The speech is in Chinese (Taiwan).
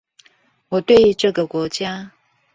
我對這個國家